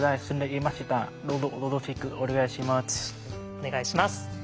お願いします。